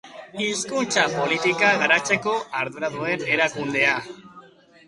Hizkuntza politika garatzeko ardura duen erakundea.